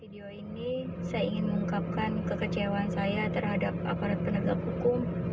video ini saya ingin mengungkapkan kekecewaan saya terhadap aparat penegak hukum